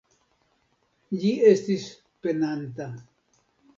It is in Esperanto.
Ĝi estis penanta.